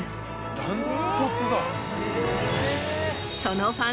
断トツだ。